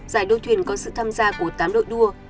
giải đua thuyền có sự tham gia của tám đội đua